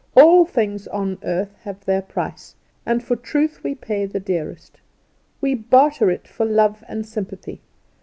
All things on earth have their price; and for truth we pay the dearest. We barter it for love and sympathy.